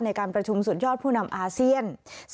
ในการประชุมสุดยอดผู้นำอาเซียน